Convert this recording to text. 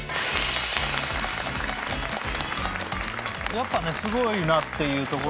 やっぱねすごいなっていうところですか。